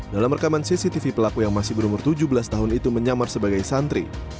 dalam rekaman cctv pelaku yang masih berumur tujuh belas tahun itu menyamar sebagai santri